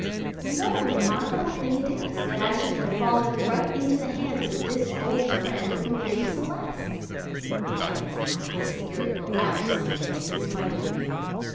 And what a remarkable thing it is that I should have fallen right into the hands of this old friend of Marie Celeste's! Like as not my secret will out some day in spite of me.